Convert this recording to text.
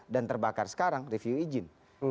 dan terbakar sekarang review izin